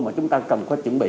mà chúng ta cần phải chuẩn bị